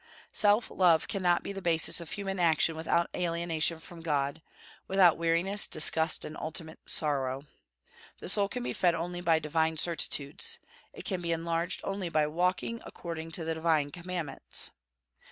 Self love cannot be the basis of human action without alienation from God, without weariness, disgust, and ultimate sorrow. The soul can be fed only by divine certitudes; it can be enlarged only by walking according to the divine commandments.